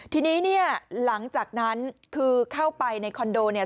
ทีนี้เนี่ยหลังจากนั้นคือเข้าไปในคอนโดเนี่ย